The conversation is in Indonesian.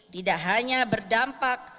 tidak hanya berdampak